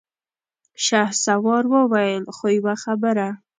شهسوار وويل: خو يوه خبره!